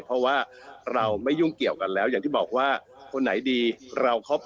เพราะว่าเราไม่ยุ่งเกี่ยวกันแล้วอย่างที่บอกว่าคนไหนดีเราครอบครัว